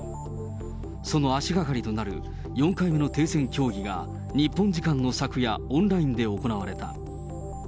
その足がかりとなる４回目の停戦協議が、日本時間の昨夜、オンラインで行われた。